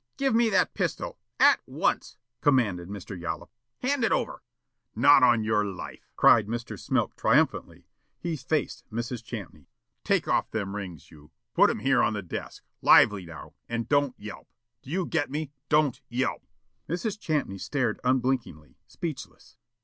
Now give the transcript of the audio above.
"Give me that pistol, at once," commanded Mr. Yollop. "Hand it over!" "Not on your life," cried Mr. Smilk triumphantly. He faced Mrs. Champney. "Take off them rings, you. Put 'em here on the desk. Lively, now! And don't yelp! Do you get me? DON'T YELP!" Mrs. Champney stared unblinkingly, speechless.